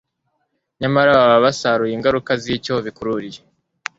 Nyamara baba basaruye ingaruka zicyo bikururiye